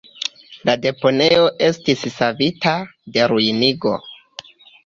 La deponejo estis savita de ruinigo.